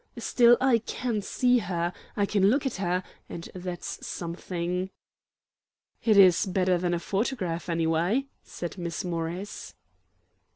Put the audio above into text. Still, I can see her! I can look at her, and that's something." "It is better than a photograph, anyway," said Miss Morris.